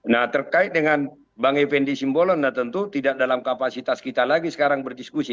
nah terkait dengan bang effendi simbolon nah tentu tidak dalam kapasitas kita lagi sekarang berdiskusi